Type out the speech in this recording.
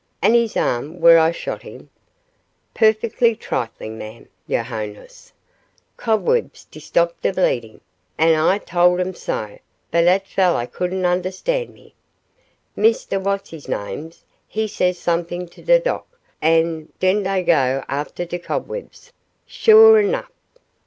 "And his arm where I shot him?" "Puffec'ly triflin', ma'am, yo' highness. Cobwebs 'd stop de bleedin' an' Ah tole 'em so, but 'at felleh couldn' un'stan' me. Misteh what's his names he says something to de docteh, an' den dey goes afteh de cobwebs, suah 'nough.